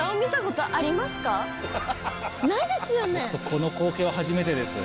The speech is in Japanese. この光景は初めてです。